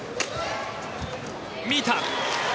見た。